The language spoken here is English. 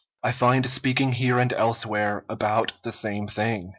I find speaking here and elsewhere about the same thing.